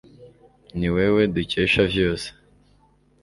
ni wewe dukesha vyose